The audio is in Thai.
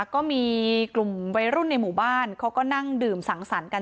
ก็มีกลุ่มวัยรุ่นในหมู่บ้านเขาก็นั่งดื่มสังสรรค์กัน